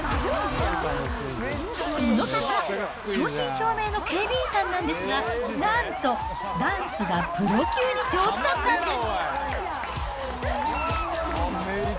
この方、正真正銘の警備員さんなんですが、なんと、ダンスがプロ級に上手だったんです。